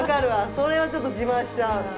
それはちょっと自慢しちゃう。